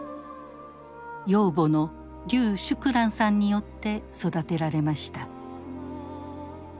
養母の劉淑蘭さんによって育てられました。